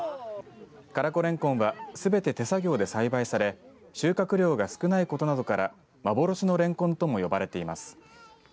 唐比れんこんはすべて手作業で栽培され収穫量が少ないことなどから幻のれんこんとも呼ばれています。